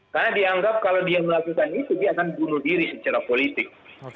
karena dianggap kalau dia melakukan itu dia akan bunuh diri secara politik